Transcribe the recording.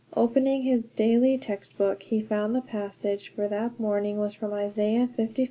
Opening his daily textbook, he found the passage for that morning was from Isaiah 55:8 13.